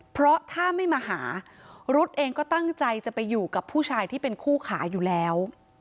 เพราะถ้าไม่มาหารุ๊ดเองก็ตั้งใจจะไปอยู่กับผู้ชายที่เป็นคู่ขาอยู่แล้ว